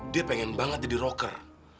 dia pengen banget jadi rocker